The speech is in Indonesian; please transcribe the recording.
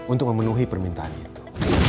untuk memenuhi permintaan itu